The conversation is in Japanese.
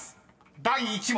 第１問］